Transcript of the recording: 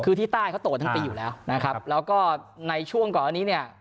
คือที่ใต้เขาโตทั้งปีอยู่แล้วนะครับแล้วก็ในช่วงก่อนอันนี้เนี่ย